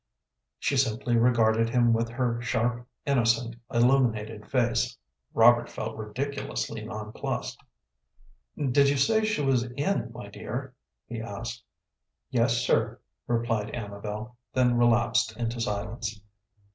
She simply regarded him with her sharp, innocent, illuminated face. Robert felt ridiculously nonplussed. "Did you say she was in, my dear?" he asked. "Yes, sir," replied Amabel, then relapsed into silence.